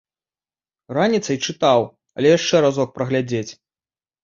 Раніцой чытаў, але яшчэ разок прагледзець.